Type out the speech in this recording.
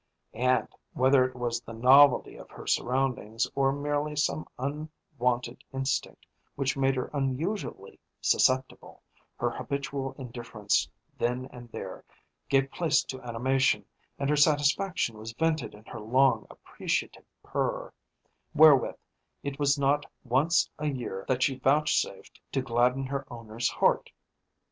And, whether it was the novelty of her surroundings, or merely some unwonted instinct which made her unusually susceptible, her habitual indifference then and there gave place to animation, and her satisfaction was vented in her long, appreciative purr, wherewith it was not once a year that she vouchsafed to gladden her owner's heart.